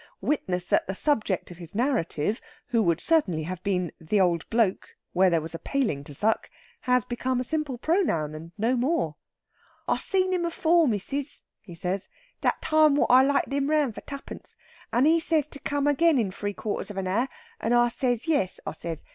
Witness that the subject of his narrative, who would certainly have been the old bloke where there was a paling to suck, has become a simple pronoun, and no more! "I see him afore, missis," he says. "That time wot I lighted him round for twopence. And he says to come again in three quarters of an hour. And I says yes, I says.